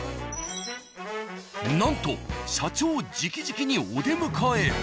なんと社長じきじきにお出迎え。